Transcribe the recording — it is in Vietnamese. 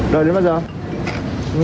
đợi đến bao giờ